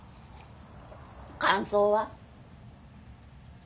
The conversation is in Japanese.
感想は？